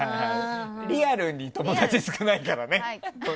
リアルに友達少ないからね。